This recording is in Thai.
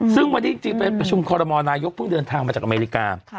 ซึ่งวันนี้จริงไปประชุมคอรมอลนายกเพิ่งเดินทางมาจากอเมริกา